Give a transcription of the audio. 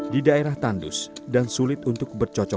di daerah tandus dan sulit untuk bercocok tanam itu